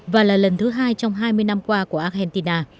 và là lần thứ hai trong hai mươi năm qua của argentina